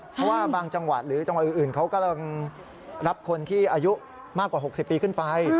เพราะว่าบางจังหวัดหรือจังหวัดอื่นเขากำลังรับคนที่อายุมากกว่า๖๐ปีขึ้นไป